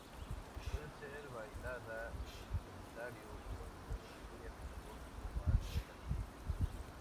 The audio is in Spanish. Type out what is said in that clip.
Puede ser bailada en solitario o en coreografía con dos o más bailarines.